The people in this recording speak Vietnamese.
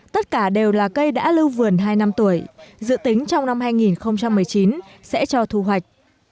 tất cả đều là cây đã lưu vườn hai năm tuổi dự tính trong năm hai nghìn một mươi chín sẽ cho thu hoạch